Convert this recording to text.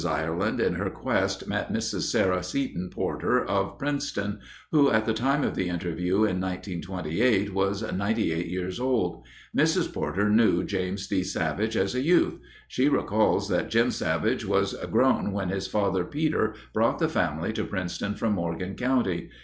Ireland in her quest met Mrs. Sarah Seton Porter of Princeton, who at the time of the interview in 1928 was ninety eight years old. Mrs. Porter knew James D. Savage as a youth. She recalls that Jim Savage was grown when his father, Peter, brought the family to Princeton from Morgan County.